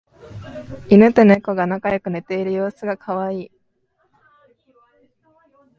イヌとネコが仲良く寝ている様子がカワイイ